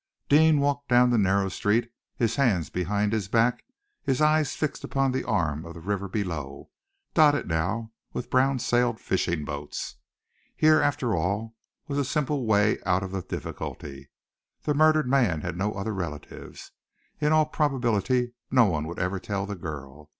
Deane walked down the narrow street, his hands behind his back, his eyes fixed upon the arm of the river below, dotted now with brown sailed fishing boats. Here, after all, was a simple way out of the difficulty! The murdered man had no other relatives. In all probability, no one would ever tell the girl.